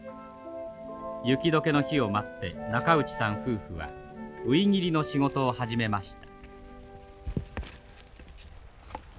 雪解けの日を待って中内さん夫婦はウイギリの仕事を始めました。